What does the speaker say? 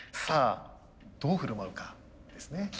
さあどう振る舞うかですね。